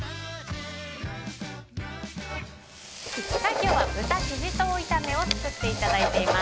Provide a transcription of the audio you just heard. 今日は豚シシトウ炒めを作っていただいています。